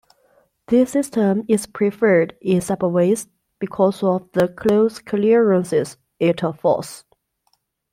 This system is preferred in subways because of the close clearances it affords.